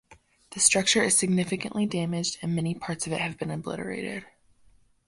The structure is significantly damaged and many parts of it have been obliterated.